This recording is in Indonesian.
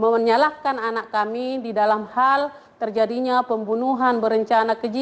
dan menyalahkan anak kami di dalam hal terjadinya pembunuhan berencana keji